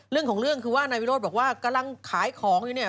เรื่องของเรื่องคือว่านายวิโรธบอกว่ากำลังขายของอยู่เนี่ย